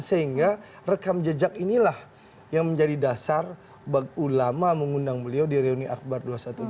sehingga rekam jejak inilah yang menjadi dasar bagi ulama mengundang beliau di reuni akbar dua ratus dua belas